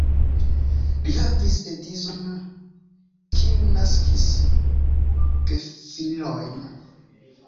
Li havis edzinon, kiu naskis gefilojn.